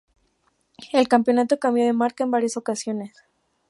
El campeonato cambió de marca en varias ocasiones.